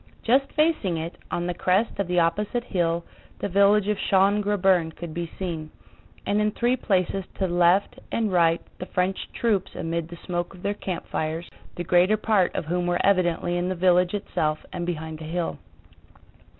Just facing it, on the crest of the opposite hill, the village of Schön Grabern could be seen, and in three places to left and right the French troops amid the smoke of their campfires, the greater part of whom were evidently in the village itself and behind the hill.